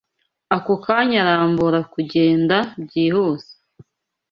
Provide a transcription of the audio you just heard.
ako kanya arambura kugenda byihuse